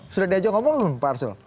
sudah diajak ngomong pak arsul